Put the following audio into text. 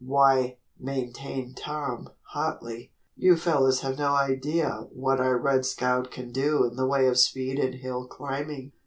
"Why," maintained Tom, hotly, "you fellows have no idea what our 'Red Scout' can do in the way of speed and hill climbing.